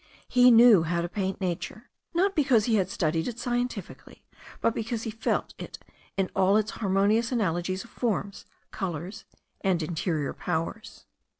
He knew how to paint nature, not because he had studied it scientifically, but because he felt it in all its harmonious analogies of forms, colours, and interior powers.